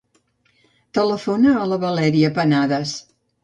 Telefona a la Valèria Penades.